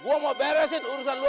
gua mau beresin urusan lu